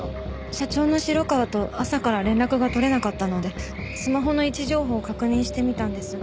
社長の城川と朝から連絡が取れなかったのでスマホの位置情報を確認してみたんです。